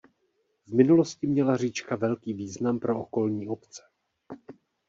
V minulosti měla říčka velký význam pro okolní obce.